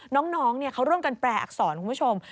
น้องเขาร่วมกันแปลอักษรคุณผู้ชม